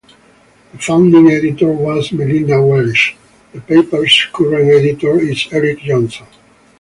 The founding editor was Melinda Welsh; the paper's current editor is Eric Johnson.